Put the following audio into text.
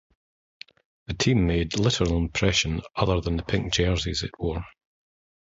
The team made little impression other than the pink jerseys it wore.